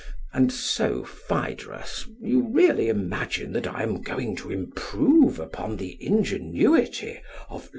And so, Phaedrus, you really imagine that I am going to improve upon the ingenuity of Lysias?